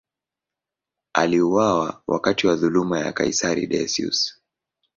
Aliuawa wakati wa dhuluma ya kaisari Decius.